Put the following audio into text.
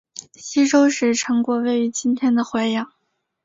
西周时陈国位于今天的淮阳。